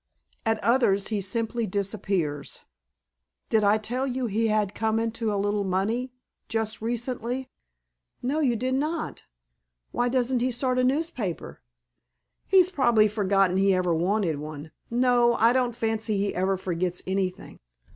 At others he simply disappears. Did I tell you he had come into a little money just recently?" "No, you did not. Why doesn't he start a newspaper?" "He's probably forgotten he ever wanted one no, I don't fancy he ever forgets anything.